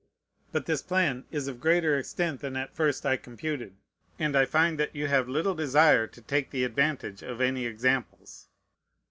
But this plan is of greater extent than at first I computed, and I find that you have little desire to take the advantage of any examples.